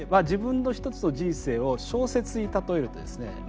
自分の一つの人生を小説に例えるとですね